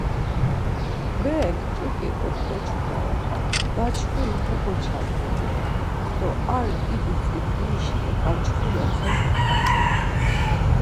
Berek ç̌urǩi ot̆ǩoçu doren, daçxuri kogoşobğu doren do ar didi tziprişi noǩançxule xes okaçun.